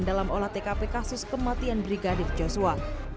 dalam olah tkp kasus kematian brigadir joshua